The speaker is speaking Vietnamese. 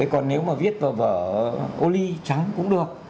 còn nếu mà viết vào vở ô ly trắng cũng được